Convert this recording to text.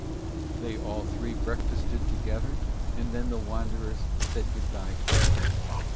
They all three breakfasted together, and then the wanderers said good bye to Perez.